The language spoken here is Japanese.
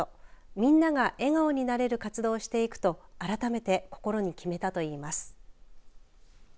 みんなが笑顔になれる活動をしていくと改めて心に決めたといいます。